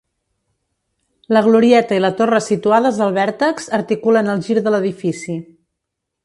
La glorieta i la torre situades al vèrtex articulen el gir de l'edifici.